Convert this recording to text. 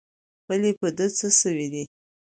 ولي په ده څه سوي دي؟